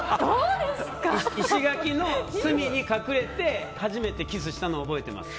石垣の隅に隠れて、初めてキスをしたのを覚えています。